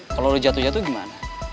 kalau udah jatuh jatuh gimana